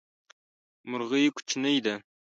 مرغی کوچنی ده